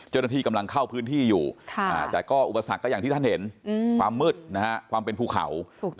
เจ้าหน้าที่กำลังเข้าพื้นที่อยู่แต่ก็อุปสรรคก็อย่างที่ท่านเห็นความมืดนะฮะความเป็นภูเขา